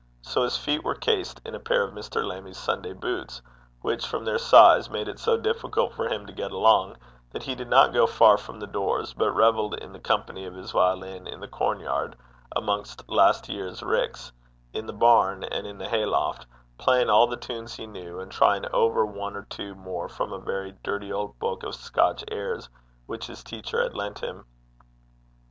So his feet were cased in a pair of Mr. Lammie's Sunday boots, which, from their size, made it so difficult for him to get along, that he did not go far from the doors, but revelled in the company of his violin in the corn yard amongst last year's ricks, in the barn, and in the hayloft, playing all the tunes he knew, and trying over one or two more from a very dirty old book of Scotch airs, which his teacher had lent him.